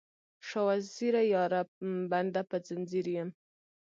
شاه وزیره یاره، بنده په ځنځیر یم